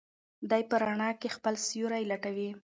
دی په رڼا کې خپل سیوری لټوي.